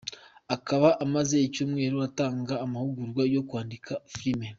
Akaba amaze n'icyumweru atanga amahugurwa yo kwandika filime.